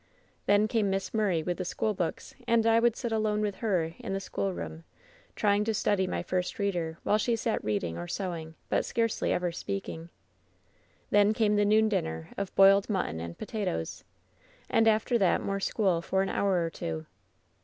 Then came Miss Murray with the school books, and I would sit alone with her in the schoolroom, trying to study my first reader, while she sat reading or sewing, but scarcely ever speaking. "Then came the noon dinner of boiled mutton and potatoes. "And after that more school for an hour or two.